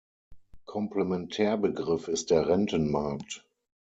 Komplementärbegriff ist der Rentenmarkt.